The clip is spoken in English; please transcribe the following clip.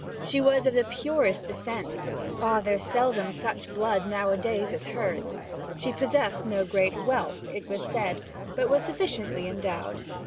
She was of the purest descent; ah, there's seldom such blood nowadays as hers! She possessed no great wealth, it was said, but was sufficiently endowed.